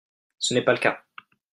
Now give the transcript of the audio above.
Ce n’est pas le cas